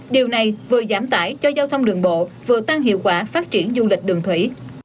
điều này vừa giảm tải cho giao thông đường bộ vừa tăng hiệu quả phát triển du lịch đường thủy